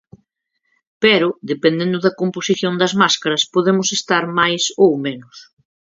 Pero, dependendo da composición das máscaras, podemos estar máis ou menos.